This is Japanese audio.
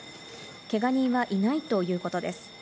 けが人は、いないということです。